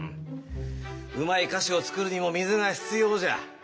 うまい菓子をつくるにも水が必要じゃ。